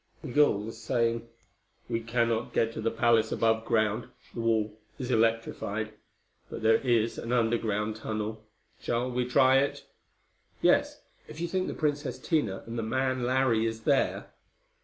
Migul was saying: "We cannot get to the palace above ground: the wall is electrified. But there is an underground tunnel. Shall we try it?" "Yes, if you think the Princess Tina and that man Larry is there."